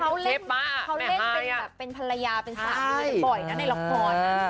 เขาเล่นเป็นภรรยาเป็นสามีอย่างบ่อยนะในละคร